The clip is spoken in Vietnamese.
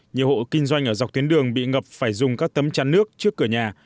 nhiều hộ kinh doanh ở dọc tuyến đường bị ngập phải dùng các tấm chắn nước trước cửa nhà